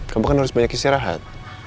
kamu kan harus banyak istirahat